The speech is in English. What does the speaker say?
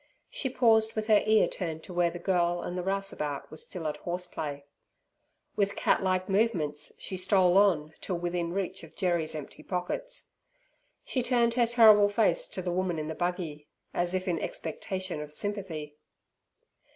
She paused, with her ear turned to where the girl and the rouseabout were still at horse play. With cat like movements she stole on till within reach of Jerry's empty pockets. She turned her terrible face to the woman in the buggy, as if in expectation of sympathy.